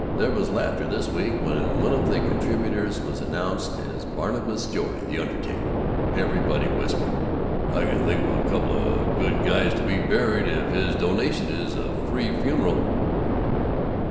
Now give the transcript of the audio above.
There was laughter, this week, when it was announced that one of the contributors was Barnabas Joy, the undertaker. Everybody whispered, "I can think of a coupla good guys to be buried if his donation is a free funeral!"